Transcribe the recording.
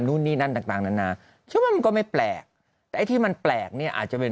นู่นนี่นั่นต่างนานาใช่ป่ะมันก็ไม่แปลกแต่ที่มันแปลกเนี้ยอาจจะเป็น